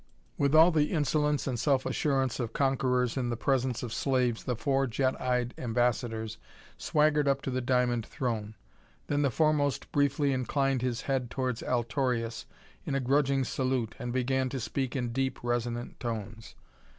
With all the insolence and self assurance of conquerors in the presence of slaves the four jet eyed ambassadors swaggered up to the diamond throne. Then the foremost briefly inclined his head towards Altorius in a grudging salute and began to speak in deep, resonant tones.